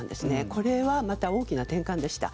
これはまた大きな転換でした。